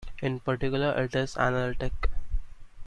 In particular, it is analytic.